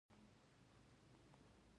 خو دا چوکاټ په ذهن ولاړ دی.